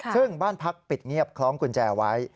ซึ่งบ้านพักปิดเงียบคล้องกุญแจไว้